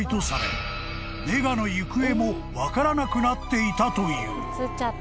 ［ネガの行方も分からなくなっていたという］